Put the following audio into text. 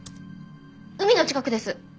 海の近くです。